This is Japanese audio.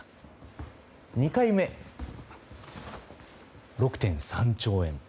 ２回目、６．３兆円。